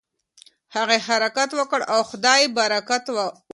هغې حرکت وکړ او خدای برکت ورکړ.